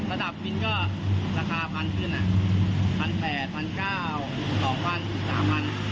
ระดับบินก็ราคาพันขึ้นพันแปดพันเก้าสองพันสามพัน